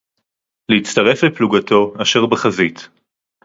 לְהִצְטָרֵף לְפְּלֻגָּתוֹ אֲשֶׁר בַּחֲזִית.